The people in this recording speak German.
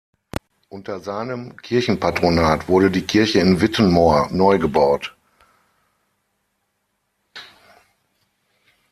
Unter seinem Kirchenpatronat wurde die Kirche in Wittenmoor neu gebaut.